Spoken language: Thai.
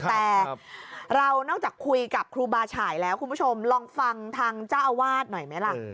แต่เรานอกจากคุยกับครูบาฉายแล้วคุณผู้ชมลองฟังทางเจ้าอาวาสหน่อยไหมล่ะ